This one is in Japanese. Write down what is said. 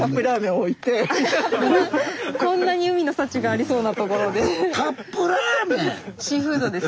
こんなに海の幸がありそうなところで。